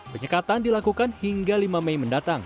penyekatan dilakukan hingga lima mei mendatang